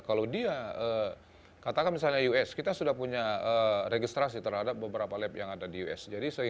kalau dia katakan misalnya us kita sudah punya registrasi terhadap beberapa lab yang ada di us